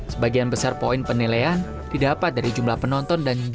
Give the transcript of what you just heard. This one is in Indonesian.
sebagian besar poin penilaian didapat dari jumlah penonton dan juga